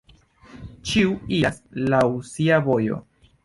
Ĉiu iras laŭ sia vojo!